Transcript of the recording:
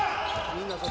みんな、外。